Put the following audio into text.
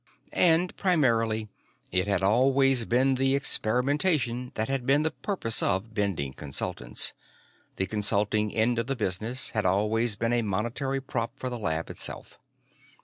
And, primarily, it had always been the experimentation that had been the purpose of Bending Consultants; the consulting end of the business had always been a monetary prop for the lab itself.